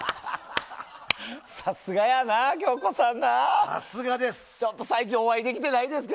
さすがやな、恭子さん。